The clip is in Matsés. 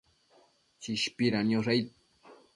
Chishpida niosh aid